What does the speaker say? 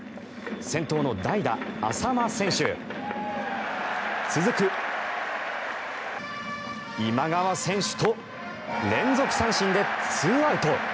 先頭の代打、淺間選手続く今川選手と連続三振で２アウト。